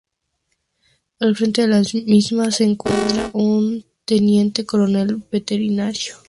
Al frente de la misma se encuentra un teniente coronel veterinario.